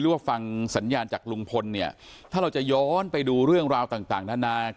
ว่าฟังสัญญาณจากลุงพลเนี่ยถ้าเราจะย้อนไปดูเรื่องราวต่างนานา